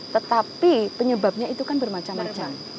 tetapi penyebabnya itu kan bermacam macam